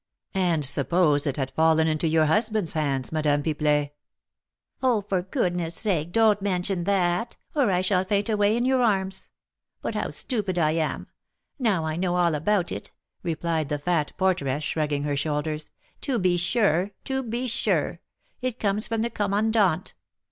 "And suppose it had fallen into your husband's hands, Madame Pipelet?" "Oh, for goodness' sake don't mention that, or I shall faint away in your arms! But how stupid I am! Now I know all about it," replied the fat porteress, shrugging her shoulders. "To be sure! to be sure! it comes from the Commandant!